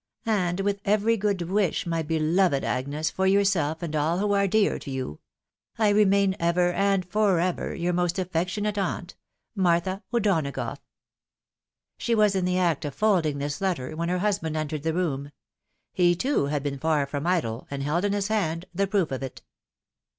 And with every good wish, my beloved Agnes, for yourself and all who are dear to you, " I remain, ever and for ever, " Your most affectionate aunt, " Martha O'Donagotjgh." She was in the act of folding this letter, when her husband A CLEVER PENMAN. 83 entered the room. He, too, had been far from idle, and held in his hand the proof of it.